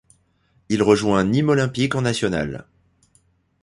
Il rejoint Nîmes Olympique en National.